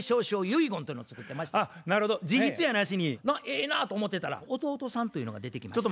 ええなと思ってたら弟さんというのが出てきまして。